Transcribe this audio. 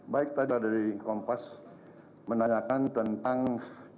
baik tadi dari kompas menanyakan tentang